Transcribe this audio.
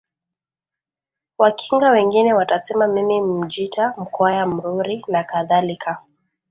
Wakinga Wengine watasema mimi Mmjita Mkwaya Mruri nakadhalika